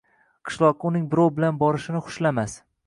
Qishloqqa uning birov bilan borishini xushlamas